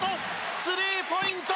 スリーポイント！